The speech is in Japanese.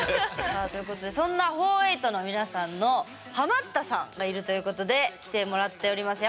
さあということでそんなフォーエイト４８の皆さんのハマったさんがいるということで来てもらっております。